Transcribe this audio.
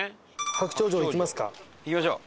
白鳥城行きますか？